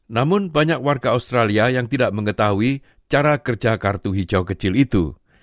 namun banyak warga australia yang tidak mengetahui cara kerja kartu hijau kecil itu